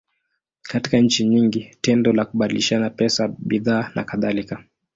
Katika nchi nyingi, tendo la kubadilishana pesa, bidhaa, nakadhalika.